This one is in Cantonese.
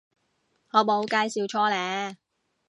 我冇介紹錯呢